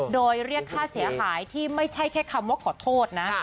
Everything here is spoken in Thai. โดยเรียกค่าเสียหายที่ไม่ใช่แค่คำว่าขอโทษนะ